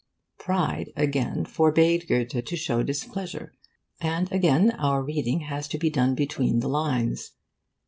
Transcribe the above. Pride again forbade Goethe to show displeasure, and again our reading has to be done between the lines.